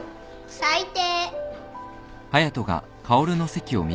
最低。